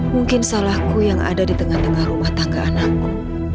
mungkin salahku yang ada di tengah tengah rumah tangga anakmu